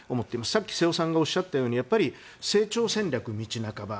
さっき、瀬尾さんがおっしゃったように成長戦略は道半ば。